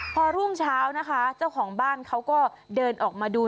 พอรุ่งเช้านะคะเจ้าของบ้านเขาก็เดินออกมาดู